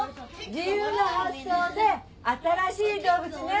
自由な発想で新しい動物ね。